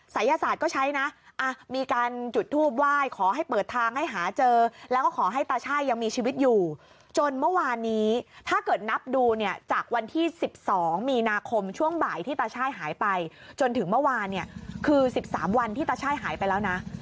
ศัยศาสตร์ก็ใช้นะมีการจุดทูปไหว้ขอให้เปิดทางให้หาเจอแล้วก็ขอให้ตาช่ายยังมีชีวิตอยู่จนเมื่อวานนี้ถ้าเกิดนับดูเนี่ยจากวันที่๑๒มีนาคมช่วงบ่ายที่ตาช่ายหายไปจนถึงเมื่อวานเนี่ยคือ๑๓วันที่ตาช่ายหายไปแล้วนะ